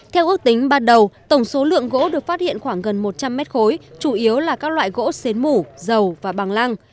theo ước tính ban đầu tổng số lượng gỗ được phát hiện khoảng gần một trăm linh mét khối chủ yếu là các loại gỗ xến mủ dầu và bằng lăng